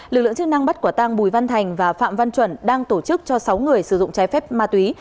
lực lượng chức năng bắt quả tăng bùi văn thành và phạm văn chuẩn đang tổ chức cho sáu người sử dụng trái phép ma túy